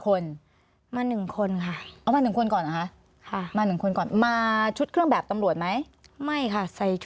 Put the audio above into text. ก็คืออยากได้ลูกค้านะ